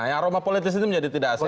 aroma politis itu menjadi tidak sehat